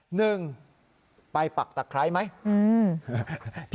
หนึ่งไปปักตะไคร้ไหม